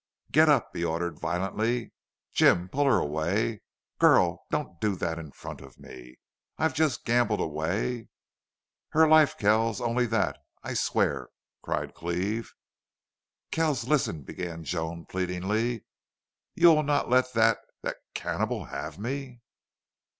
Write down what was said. "Get up!" he ordered, violently. "Jim, pull her away!... Girl, don't do that in front of me... I've just gambled away " "Her life, Kells, only that, I swear," cried Cleve. "Kells, listen," began Joan, pleadingly. "You will not let that that CANNIBAL have me?"